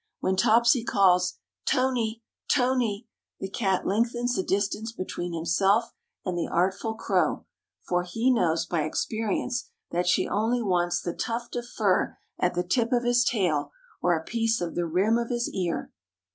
When Topsy calls, "Tony, Tony," the cat lengthens the distance between himself and the artful crow, for he knows by experience that she only wants the tuft of fur at the tip of his tail or a piece of the rim of his ear.